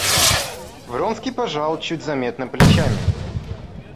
Вронский пожал чуть заметно плечами.